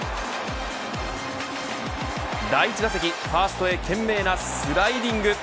第１打席、ファーストへ懸命なスライディング。